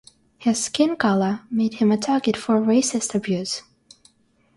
His skin color made him a target for racist abuse.